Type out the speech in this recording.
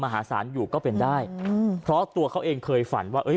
มหาศาลอยู่ก็เป็นได้อืมเพราะตัวเขาเองเคยฝันว่าเอ้ย